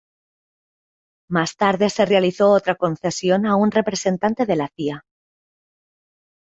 Más tarde se realizó otra concesión a un representante de la Cia.